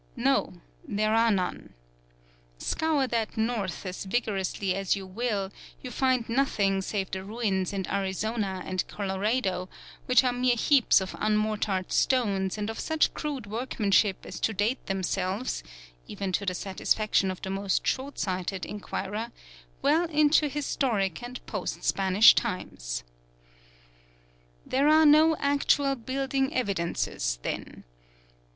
No; there are none. Scour that north as vigorously as you will, you find nothing save the ruins in Arizona and Colorado, which are mere heaps of unmortared stones and of such crude workmanship as to date themselves (even to the satisfaction of the most shortsighted inquirer) well into historic and post Spanish times. There are no actual building evidences, then.